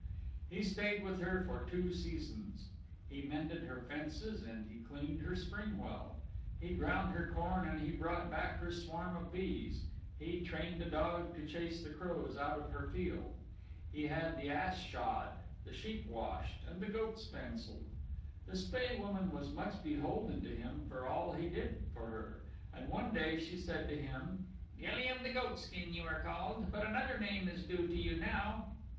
He stayed with her for two seasons. He mended her fences and he cleaned her spring well; he ground her corn and he brought back her swarm of bees; he trained a dog to chase the crows out of her field; he had the ass shod, the sheep washed and the goat spancelled. The Spae Woman was much beholden to him for all he did for her, and one day she said to him, "Gilly of the Goat skin you are called, but another name is due to you now."